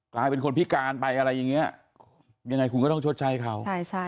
กลายเป็นคนพิการไปอะไรอย่างนี้ยังไงคุณก็ต้องชดใช้เขา